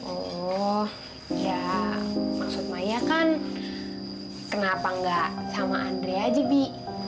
oh ya maksud maya kan kenapa nggak sama andre aja bi